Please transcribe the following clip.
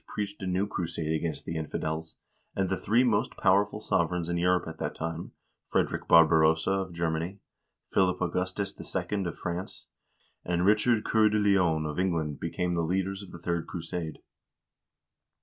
preached a new crusade against the infidels, and the three most powerful sovereigns in Europe at that time : Frederick Barbarossa of Germany, Philip Augustus II. of France, and Richard Cceur de Lion of England be came the leaders of the third crusade.